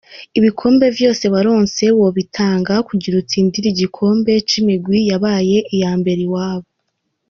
Q: Ibikombe vyose waronse wobitanga kugira utsindire igikombe c'imigwi yabaye iya mbere iwabo?.